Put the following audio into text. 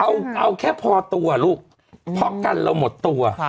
เอาแค่พอตัวลูกเพราะกันเราหมดตัว